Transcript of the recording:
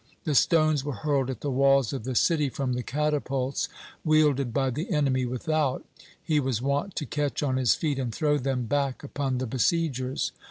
The stones were hurled at the walls of the city from the catapults wielded by the enemy without, he was wont to catch on his feet, and throw them back upon the besiegers.